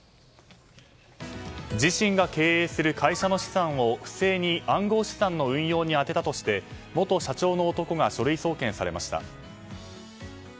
自身が経営する会社の資産を不正に暗号資産の運用に充てたとして元社長の男が書類送検されました。